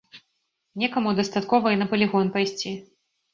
Некаму дастаткова і на палігон пайсці.